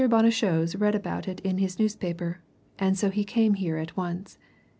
Bonnechose read about it in his newspaper, and so he came here at once.